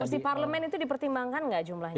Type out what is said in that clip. kalau di parlemen itu dipertimbangkan nggak jumlahnya